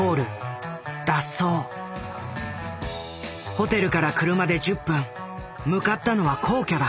ホテルから車で１０分向かったのは皇居だ。